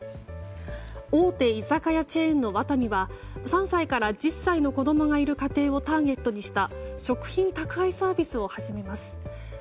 大手居酒屋チェーンのワタミは３歳から１０歳の子供がいる家庭をターゲットにした食品宅配サービスを始めます。